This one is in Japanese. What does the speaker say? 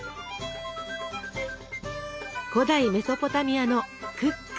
古代メソポタミアのクック。